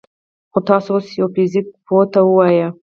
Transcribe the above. خو تاسو اوس يوه فزيك پوه ته ووايئ: